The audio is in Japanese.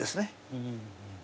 うん。